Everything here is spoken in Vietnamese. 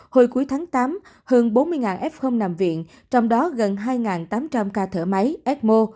hồi cuối tháng tám hơn bốn mươi f nằm viện trong đó gần hai tám trăm linh ca thở máy ecmo